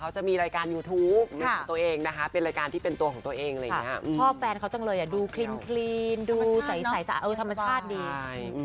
ชอบแฟนเขาจังเลยดูคลีนดูใสธรรมชาติดี